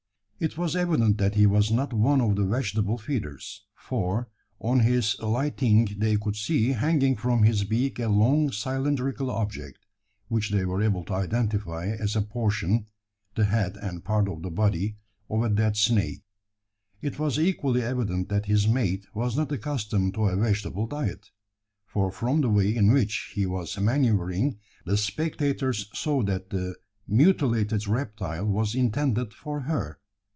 It was evident that he was not one of the vegetable feeders: for on his alighting they could see hanging from his beak a long cylindrical object, which they were able to identify as a portion the head and part of the body of a dead snake. It was equally evident that his mate was not accustomed to a vegetable diet: for from the way in which he was manoeuvring, the spectators saw that the mutilated reptile was intended for her.